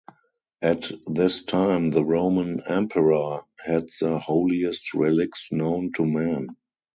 At this time, the Roman emperor had the holiest relics known to man.